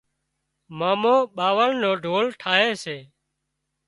مامو ٻاوۯ نو ڍول ٺاهي سي